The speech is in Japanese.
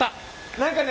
何かね